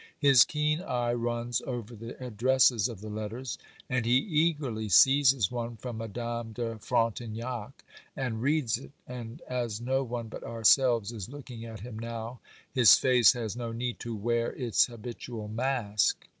His keen eye runs over the addresses of the letters, and he eagerly seizes one from Madame de Frontignac, and reads it; and as no one but ourselves is looking at him now his face has no need to wear its habitual mask.